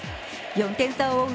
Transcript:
４点差を追う